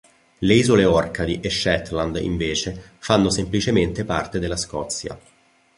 Le Isole Orcadi e Shetland, invece, fanno semplicemente parte della Scozia.